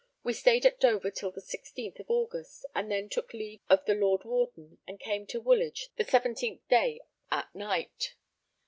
We stayed at Dover till the 16th of August and then took leave of the Lord Warden, and came to Woolwich the 17th day at night.